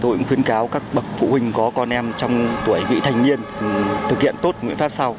tôi cũng khuyến cáo các bậc phụ huynh có con em trong tuổi vị thành niên thực hiện tốt nguyện pháp sau